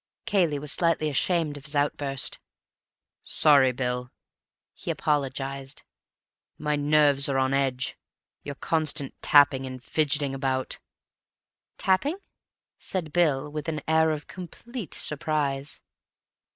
Cayley was slightly ashamed of his outburst. "Sorry, Bill," he apologized. "My nerves are on edge. Your constant tapping and fidgeting about—" "Tapping?" said Bill with an air of complete surprise.